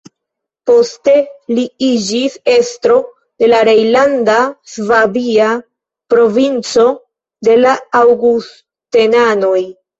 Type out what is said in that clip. Poste li iĝis estro de la rejnlanda-svabia provinco de la aŭgustenanoj.